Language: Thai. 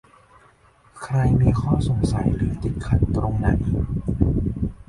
ใครมีข้อสงสัย หรือติดขัดตรงไหน